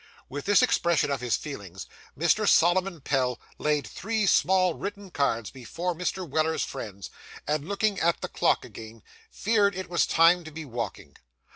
With this expression of his feelings, Mr. Solomon Pell laid three small written cards before Mr. Weller's friends, and, looking at the clock again, feared it was time to be walking.